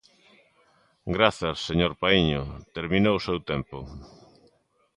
Grazas, señor Paíño, terminou o seu tempo.